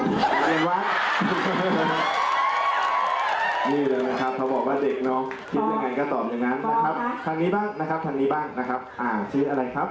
นี่เลยนะครับเขาบอกว่าเด็กน้องคิดยังไงก็ตอบในนั้นนะครับทางนี้บ้างนะครับทางนี้บ้างนะครับชี้อะไรครับ